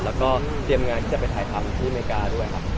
แล้วก็เตรียมงานที่จะไปถ่ายทำที่อเมริกาด้วยครับ